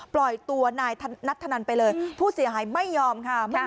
ปล่อยตัวนายนัทธนันไปเลยผู้เสียหายไม่ยอมค่ะ